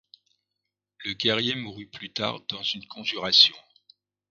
Le guerrier mourut plus tard dans une conjuration.